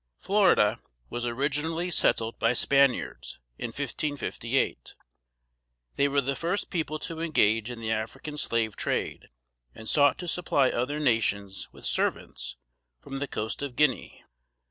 Florida was originally settled by Spaniards, in 1558. They were the first people to engage in the African Slave trade, and sought to supply other nations with servants from the coast of Guinea.